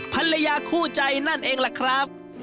ภรรยาคู่ใจนั่นเองล่ะครับ